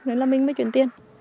nên là mình mới chuyển tiền